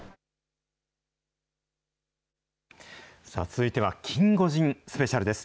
続いてはキンゴジンスペシャルです。